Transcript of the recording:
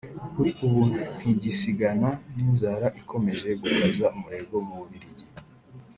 kuri ubu ntigisigana n’inzara ikomeje gukaza umurego mu Bubiligi